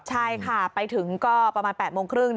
ใช่ค่ะไปถึงก็ประมาณ๘โมงครึ่ง